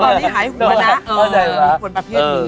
ปกติสำคัญเลยแต่ตอนนี้หายหัวนะ